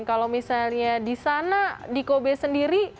kalau misalnya di sana di kobe sendiri